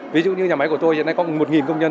ví dụ như nhà máy của tôi hiện nay có một công nhân